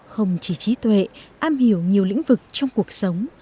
không chỉ trí tuệ am hiểu nhiều lĩnh vực trong cuộc sống